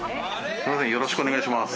よろしくお願いします。